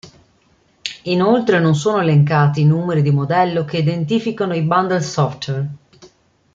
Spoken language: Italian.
Inoltre non sono elencati i numeri di modello che identificano i bundle software.